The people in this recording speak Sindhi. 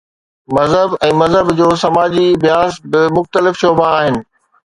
مذهب ۽ مذهب جو سماجي اڀياس ٻه مختلف شعبا آهن.